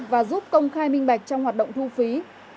và giúp công khai minh bạch trong hoạt động thu phí